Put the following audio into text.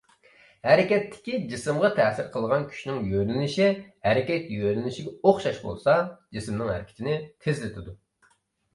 ھەرىكەتتىكى جىسىمغا تەسىر قىلغان كۈچنىڭ يۆنىلىشى ھەرىكەت يۆنىلىشىگە ئوخشاش بولسا، جىسىمنىڭ ھەرىكىتىنى تېزلىتىدۇ.